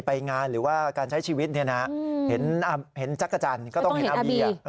ไปงานหรือว่าการใช้ชีวิตเนี่ยนะเห็นจักรจันทร์ก็ต้องเห็นอาบี